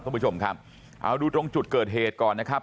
คุณผู้ชมครับเอาดูตรงจุดเกิดเหตุก่อนนะครับ